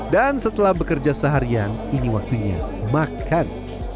dan setelah bekerja seharian ini waktunya makan